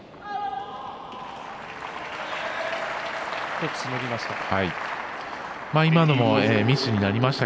１つ、しのぎました。